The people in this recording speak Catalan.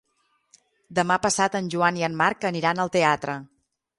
Demà passat en Joan i en Marc aniran al teatre.